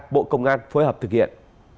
bộ công an phối hợp thực hiện